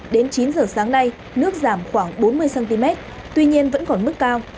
đến chín giờ sáng nay nước giảm khoảng bốn mươi cm tuy nhiên vẫn còn mức cao